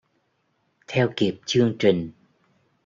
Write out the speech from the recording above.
Theo kịp chương trình